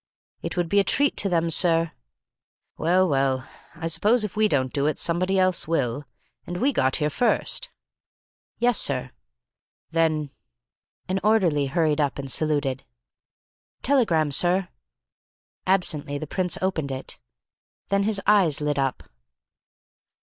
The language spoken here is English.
"It would be a treat to them, sir." "Well, well, I suppose if we don't do it, somebody else will. And we got here first." "Yes, sir." "Then " An orderly hurried up and saluted. "Telegram, sir." Absently the Prince opened it. Then his eyes lit up.